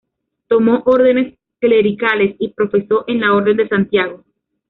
Tomó órdenes clericales y profesó en la orden de Santiago.